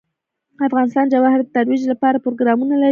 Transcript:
افغانستان د جواهرات د ترویج لپاره پروګرامونه لري.